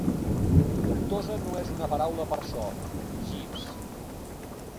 Dubtosa no és una paraula per a això, Jeeves.